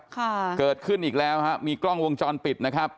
ค่ะเกิดขึ้นอีกแล้วฮะมีกล้องวงจรปิดนะครับ